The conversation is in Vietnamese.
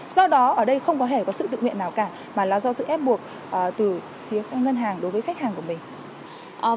do đó ở đây không có hề có sự tự nguyện nào cả mà là do sự ép buộc từ phía ngân hàng đối với khách hàng của mình